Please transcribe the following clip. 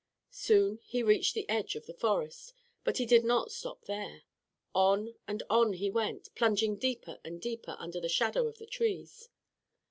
Soon he reached the edge of the forest, but he did not stop there. On and on he went, plunging deeper and deeper under the shadow of the trees.